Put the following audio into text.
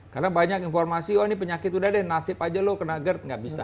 karena banyak informasi oh ini penyakit udah deh nasib aja lo kena gerd nggak bisa